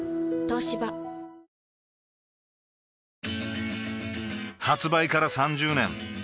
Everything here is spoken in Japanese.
東芝発売から３０年